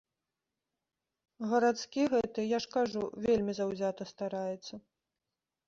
Гарадскі гэты, я ж кажу, вельмі заўзята стараецца.